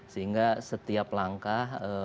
sehingga setiap langkah